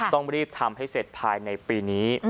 ต้องรีบทำให้เสร็จภายในปีนี้